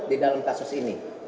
di dalam kasus ini